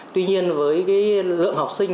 tuy nhiên với lượng học sinh